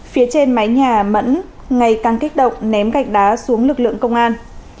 phía trên mái nhà mẫn ngày càng kích động ném gạch đá xuống lực lượng công an